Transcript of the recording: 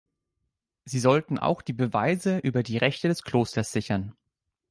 Sie sollten auch die Beweise über die Rechte des Klosters sichern.